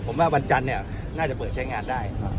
ผมว่าวันจันทร์น่าจะเปลือกใช้งานได้